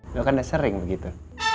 lo kandang sering begitu